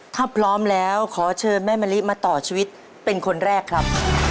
ถ้าพร้อมแล้วขอเชิญแม่มะลิมาต่อชีวิตเป็นคนแรกครับ